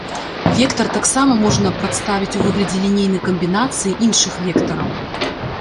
Вектар таксама можна прадставіць у выглядзе лінейнай камбінацыі іншых вектараў.